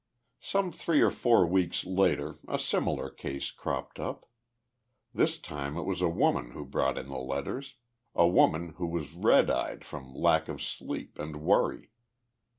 Some three or four weeks later a similar case cropped up. This time it was a woman who brought in the letters a woman who was red eyed from lack of sleep and worry.